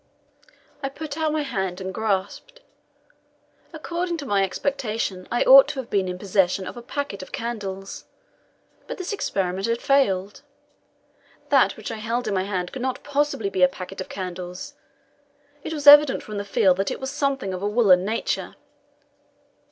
I put out my hand and grasped. According to my expectation I ought to have been in possession of a packet of candles, but the experiment had failed. That which I held in my hand could not possibly be a packet of candles. It was evident from the feel that it was something of a woollen nature.